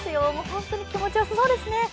本当に気持ちよさそうですね！